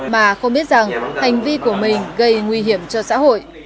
mà không biết rằng hành vi của mình gây nguy hiểm cho xã hội